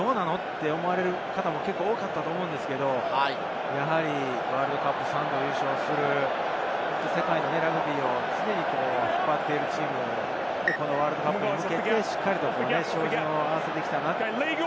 と思われる方も結構多かったと思うんですけれど、やはりワールドカップ３度優勝する、世界のラグビーを引っ張っているチーム、ワールドカップに向けて照準を合わせてきた。